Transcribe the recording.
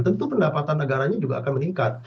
tentu pendapatan negaranya juga akan meningkat